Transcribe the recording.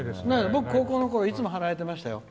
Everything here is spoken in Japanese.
僕、高校のころいつも貼られてましたよ。